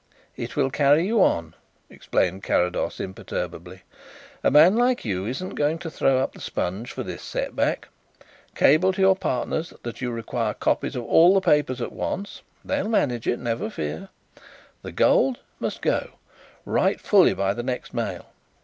"It will carry you on," explained Carrados imperturbably. "A man like you isn't going to throw up the sponge for this set back. Cable to your partners that you require copies of all the papers at once. They'll manage it, never fear. The gold ... must go. Write fully by the next mail.